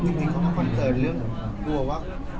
มินต้องเป็นกำลังใจให้พี่ทั้งคู่มากกว่า